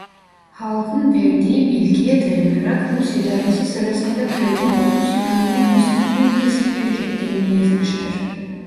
Halkın verdiği bilgiye dayanarak Rus idaresi sırasında köyden otuz hanenin Osmanlı ülkesine göç ettiğini yazmıştır.